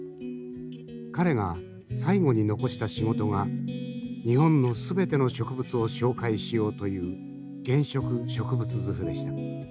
彼が最後に残した仕事が日本の全ての植物を紹介しようという「原色植物図譜」でした。